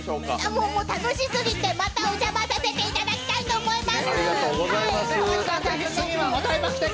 もうもう、楽しすぎてまたお邪魔させていただきたいと思います。